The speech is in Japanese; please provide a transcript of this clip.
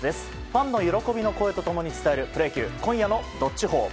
ファンの喜びの声と共に伝えるプロ野球今夜の「＃どっちほー」